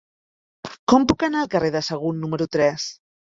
Com puc anar al carrer de Sagunt número tres?